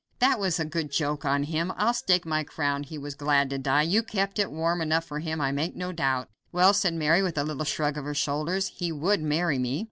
That was a good joke on him. I'll stake my crown he was glad to die! You kept it warm enough for him, I make no doubt." "Well," said Mary, with a little shrug of her shoulders, "he would marry me."